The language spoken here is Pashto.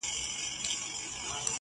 نن دي جهاني لکه پانوس لمبه- لمبه وینم-